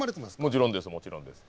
もちろんですもちろんです。